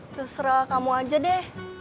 terserah kamu aja deh